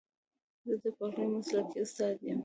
زه د پخلي مسلکي استاد یم